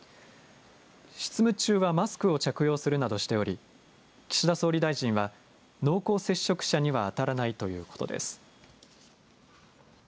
執務中はマスクを着用するなどしており岸田総理大臣は濃厚接触者にはあたらないということです。